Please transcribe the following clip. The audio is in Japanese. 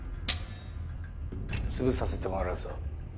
潰させてもらうぞ